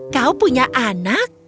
kau punya anak